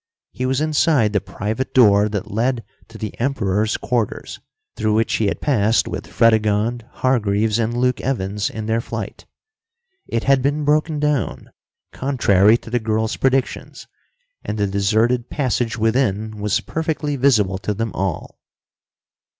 He was inside the private door that led to the Emperor's quarters, through which he had passed with Fredegonde, Hargreaves, and Luke Evans in their flight. It had been broken down, contrary to the girl's predictions, and the deserted passage within was perfectly visible to them all.